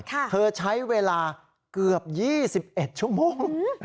เธอใช้เวลาเกือบ๒๑ชั่วโมง